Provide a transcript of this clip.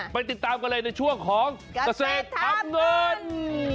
ไปติดตามกันเลยในช่วงของเกษตรทำเงิน